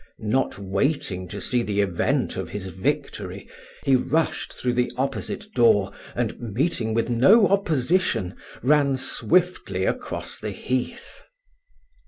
Not waiting to see the event of his victory, he rushed through the opposite door, and meeting with no opposition, ran swiftly across the heath.